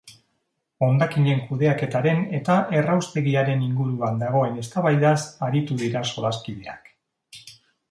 Hondakinen kudeaketaren eta erraustegiaren inguruan dagoen eztabaidaz aritu dira solaskideak.